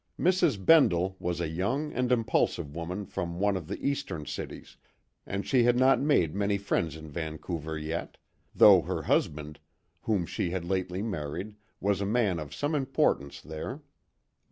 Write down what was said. Mrs. Bendle was a young and impulsive woman from one of the eastern cities, and she had not made many friends in Vancouver yet, though her husband, whom she had lately married, was a man of some importance there.